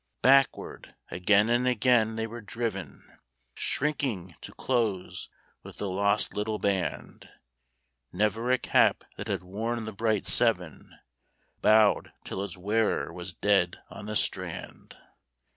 Backward, again and again, they were driven, Shrinking to close with the lost little band; Never a cap that had worn the bright Seven Bowed till its wearer was dead on the strand.